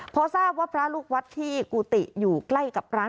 พอทราบว่าพระลูกวัดที่กุฏิอยู่ใกล้กับร้าน